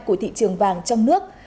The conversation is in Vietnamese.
của thị trường vàng trong nước